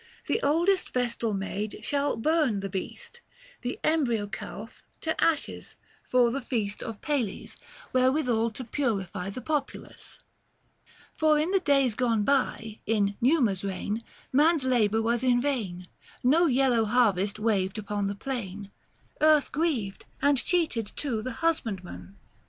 The oldest Vestal maid, shall burn the beast, The embryo calf, to ashes — for the feast Book IV. THE FASTI. 127 Of Pales — wherewithal to purify The populace. For in the days gone by, 735 In Numa's reign, man's labour was in vain ; No yellow harvest waved upon the plain, Earth grieved, and cheated too the husbandman.